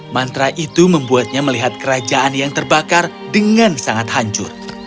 mantra itu membuatnya melihat kerajaan yang terbakar dengan sangat hancur